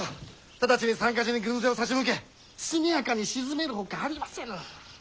直ちに三か寺に軍勢を差し向け速やかに鎮めるほかありませぬ。